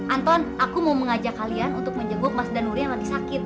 anton aku mau mengajak kalian untuk menjenguk mas danuri yang lagi sakit